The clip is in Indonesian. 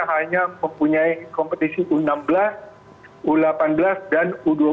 hanya mempunyai kompetisi u enam belas u delapan belas dan u dua puluh